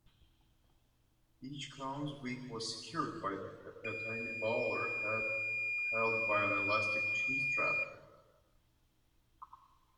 Each clown's wig was secured by a tiny bowler hat held by an elastic chin-strap.